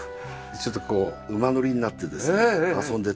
ちょっと馬乗りになってですね遊んでたんですね。